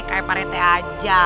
kayak parete aja